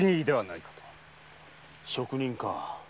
職人か。